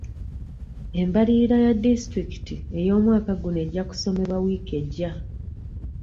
Embalirira ya disitulikiti ey'omwaka guno ejja kusomebwa wiiki ejja.